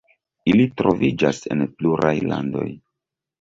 Ili troviĝas en pluraj landoj.